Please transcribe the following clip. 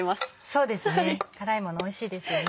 そうですね辛いものおいしいですよね。